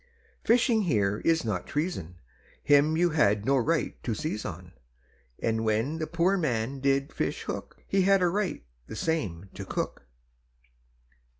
Fishing here it is not treason, Him you had no right to seize on, And when the poor man did fish hook, He had a right the same to cook.